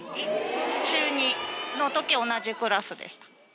中２のとき、同じクラスでした。